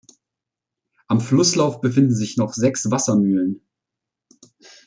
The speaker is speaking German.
Am Flusslauf befinden sich noch sechs Wassermühlen.